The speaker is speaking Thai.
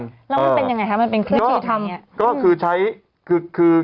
แล้วมันเป็นง่ายมันเป็นเครื่องที่ทำ